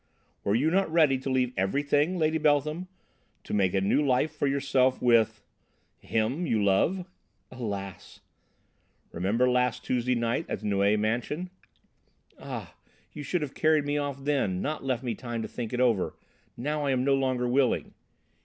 "Were you not ready to leave everything, Lady Beltham, to make a new life for yourself with him you love?" "Alas!" "Remember last Tuesday night at the Neuilly mansion!" "Ah! You should have carried me off then, not left me time to think it over. Now I am no longer willing."